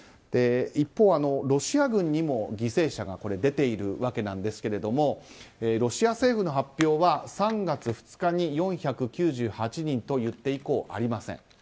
一方、ロシア軍にも犠牲者が出ているわけなんですけれどもロシア政府の発表は３月２日に４９８人と言って以降ありません。